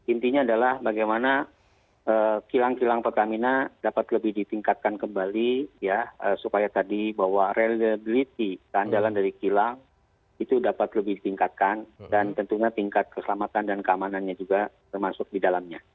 intinya adalah bagaimana kilang kilang pertamina dapat lebih ditingkatkan kembali ya supaya tadi bahwa reliability keandalan dari kilang itu dapat lebih ditingkatkan dan tentunya tingkat keselamatan dan keamanannya juga termasuk di dalamnya